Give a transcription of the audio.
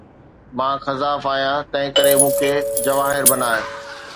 مان خزاف آهيان، تنهن ڪري مون کي جواهر بڻاءِ